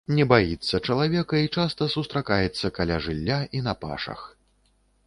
Не баіцца чалавека і часта сустракаецца каля жылля і на пашах.